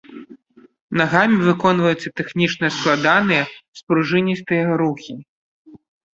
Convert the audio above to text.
Нагамі выконваюцца тэхнічна складаныя спружыністыя рухі.